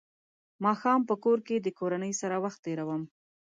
ماښام په کور کې د کورنۍ سره وخت تېروم.